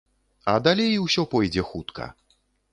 А далей усё пойдзе хутка.